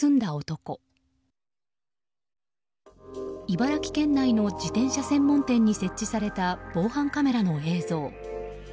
茨城県内の自転車専門店に設置された防犯カメラの映像。